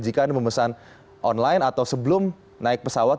jika anda memesan online atau sebelum naik pesawat